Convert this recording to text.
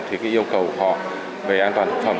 thì cái yêu cầu của họ về an toàn thực phẩm